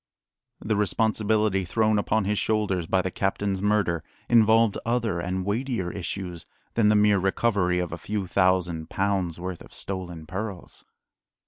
The responsibility thrown upon his shoulders by the captain's murder involved other and weightier issues than the mere recovery of a few thousand pounds' worth of stolen pearls.